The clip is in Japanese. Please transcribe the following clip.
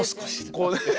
こうね。